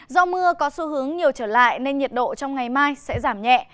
do mưa có xu hướng nhiều trở lại nên nhiệt độ trong ngày mai sẽ giảm nhẹ